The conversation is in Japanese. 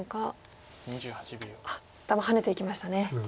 あっ頭ハネていきましたね。